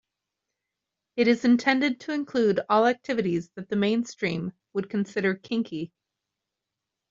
It is intended to include all activities that the mainstream would consider "kinky".